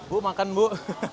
bu makan bu